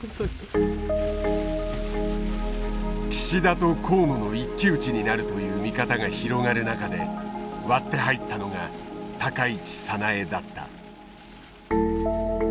岸田と河野の一騎打ちになるという見方が広がる中で割って入ったのが高市早苗だった。